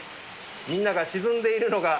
みんなが沈んでいるのが。